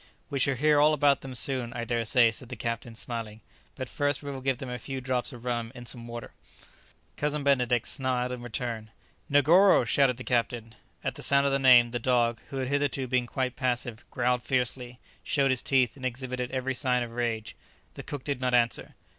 "We shall hear all about them soon, I dare say," said the captain, smiling; "but first we will give them a few drops of rum in some water." Cousin Benedict smiled in return. "Negoro!" shouted the captain. At the sound of the name, the dog, who had hitherto been quite passive, growled fiercely, showed his teeth, and exhibited every sign of rage. The cook did not answer.